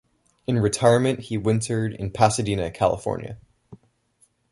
In retirement he wintered in Pasadena, California.